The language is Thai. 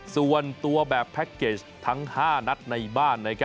ส่วนตัวแบบแพ็คเกจทั้ง๕นัดในบ้าน